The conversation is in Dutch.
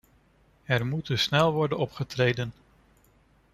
Er moet dus snel worden opgetreden.